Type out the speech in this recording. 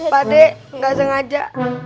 pak deh enggak sengaja